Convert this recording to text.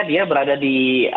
dia berada di